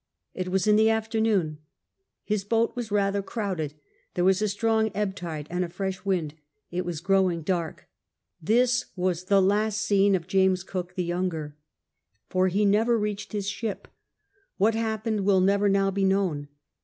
It was in the afternoon. His boat was rather crowded : there was a strong ebb tide and a fresh wind ; it was growing dark. This was the last seen of James Cook, the younger. For he never reached his ship. Wliat happened will never now bo known.